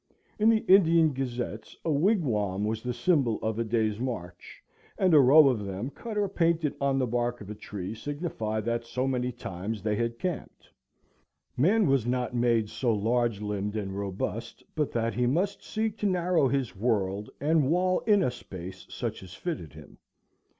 In the Indian gazettes a wigwam was the symbol of a day's march, and a row of them cut or painted on the bark of a tree signified that so many times they had camped. Man was not made so large limbed and robust but that he must seek to narrow his world, and wall in a space such as fitted him.